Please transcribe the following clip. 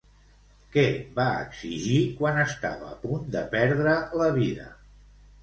Què va exigir quan estava a punt de perdre la vida?